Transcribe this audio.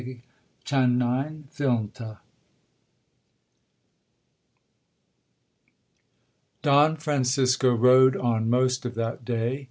CHAPTER XXIX 'Don Francisco rode on most of that day.